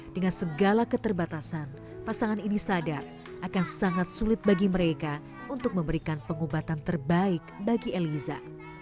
dengan segala keterbatasan pasangan ini sadar akan sangat sulit bagi mereka untuk memberikan pengobatan terbaik bagi eliza